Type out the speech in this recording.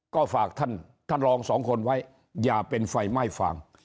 ก็ฝากท่านท่านรองสองคนไว้อย่าเป็นไฟไหม้ฟาง